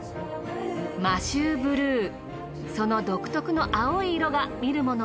摩周ブルーその独特の青い色が見るもの